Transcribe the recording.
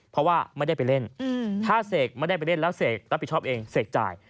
เพราะว่าไม่ได้ไปเล่นถ้าเสกไม่ได้ไปเล่นแล้วเสกรับผิดชอบเองเสกจ่าย